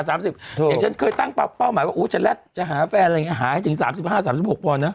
อย่างฉันเคยตั้งเป้าหมายว่าจะแร็ดจะหาแฟนอะไรอย่างนี้หาให้ถึง๓๕๓๖ปอนดนะ